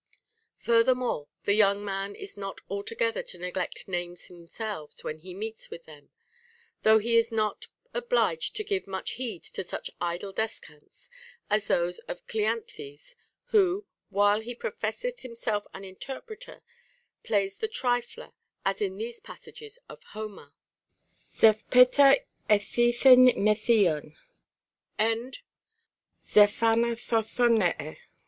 Furthermore, the young man is not altogether to neglect names themselves when he meets with them ; though he is not obliged to give much heed to such idle descants as those of Cleanthes, who, while he professeth himself an inter preter, plays the trifler, as in these passages of Homer: Ζεϋ πάτεο" Ιδ>]{Υεν μεδίων, and Ζεϋ ανα ζΐωδωναϊε.